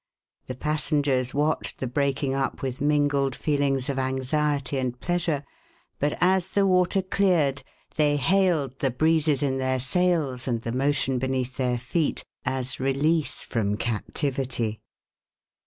The passengers watched the brealdng up with mingled feelings of anxiety and pleasure; bat as the water cleared, they hailed the breezes in their sails, and the motion beneath their feet, as release from cap tivity.